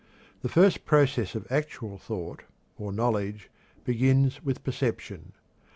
The first process of actual thought, or knowledge, begins with perception.